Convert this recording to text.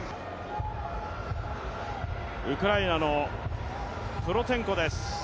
ウクライナのプロツェンコです。